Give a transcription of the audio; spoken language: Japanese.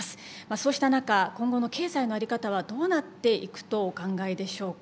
そうした中今後の経済の在り方はどうなっていくとお考えでしょうか。